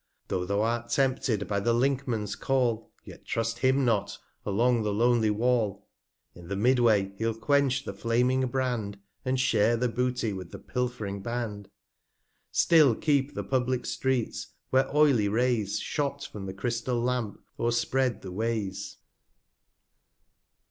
Though thou art tempted by the Link man's Call, Yet trust him not along the lonely Wall; 140 In the Mid way he'll quench the flaming Brand, And share the Booty with the pilf'ring Band. Still keep the publick Streets, where oily Rays Shot from the Crystal Lamp, o'erspread the Ways.